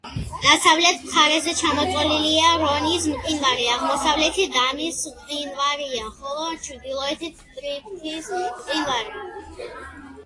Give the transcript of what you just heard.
დასავლეთ მხარეზე ჩამოწოლილია რონის მყინვარი, აღმოსავლეთით დამის მყინვარია, ხოლო ჩრდილოეთით ტრიფტის მყინვარი.